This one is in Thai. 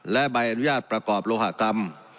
และบริหารประกอบโลหะกรรม